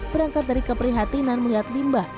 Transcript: berangkat dari keprihatinan melihat limbah